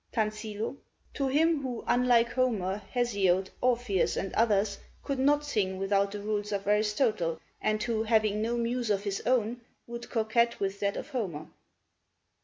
Tansillo To him who, unlike Homer, Hesiod, Orpheus, and others, could not sing without the rules of Aristotle, and who, having no Muse of his own, would coquette with that of Homer.